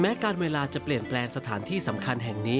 การเวลาจะเปลี่ยนแปลงสถานที่สำคัญแห่งนี้